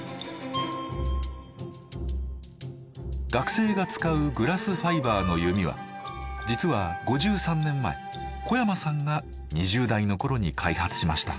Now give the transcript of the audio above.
学生が使うグラスファイバーの弓は実は５３年前小山さんが２０代の頃に開発しました。